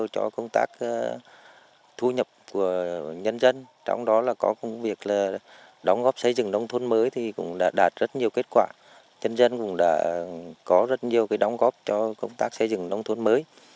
có rất nhiều đóng góp cho công tác xây dựng nông thôn mới